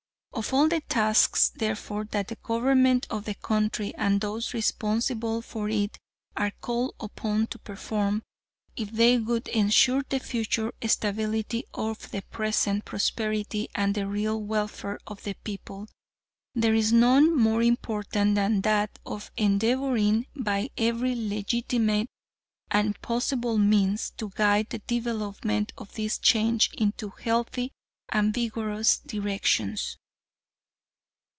Of all the tasks, therefore, that the Government of the country and those responsible for it are called upon to perform, if they would ensure the future stability of the present prosperity and the real welfare of the people, there is none more important than that of endeavouring by every legitimate and possible means to guide the development of this change into healthy and vigorous directions.